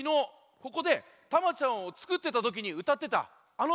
ここでタマちゃんをつくってたときにうたってたあのうた。